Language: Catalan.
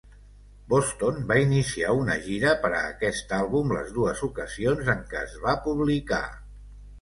Boston va iniciar una gira per a aquest àlbum les dues ocasions en què es va publicar.